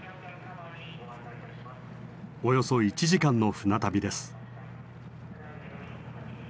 およそ１時間の船旅です。